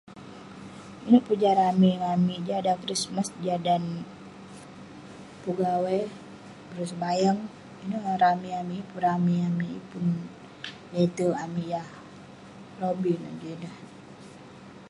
Yeng peh jah ramey ngan amik. Jah dan kerismas, jah dan pun gawai, ireh sebayang. Ineh nan ramey amik. Yeng pun ramey amik, yeng pun lete'erk amik yah lobih neh jin ineh.